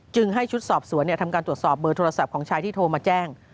ให้ชุดสอบสวนทำการตรวจสอบเบอร์โทรศัพท์ของชายที่โทรมาแจ้ง